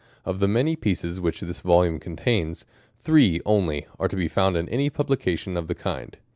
Of tha many pieces which this volume contains, three only are to be found in any publication of the kind.